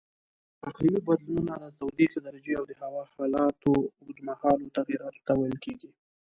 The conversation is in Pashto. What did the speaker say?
اقلیمي بدلونونه د تودوخې درجې او د هوا حالاتو اوږدمهالو تغییراتو ته ویل کېږي.